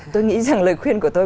tôi nghĩ rằng lời khuyên của tôi